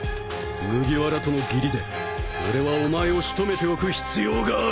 麦わらとの義理で俺はお前を仕留めておく必要がある。